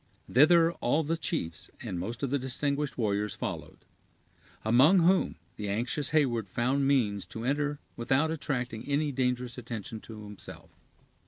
Thither all the chiefs, and most of the distinguished warriors, followed; among whom the anxious Heyward found means to enter without attracting any dangerous attention to himself.